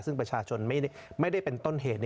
ซึ่งประชาชนไม่ได้เป็นต้นเหตุ